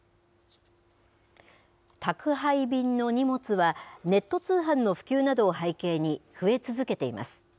宅配便の荷物は、ネット通販の普及などを背景に増え続けています。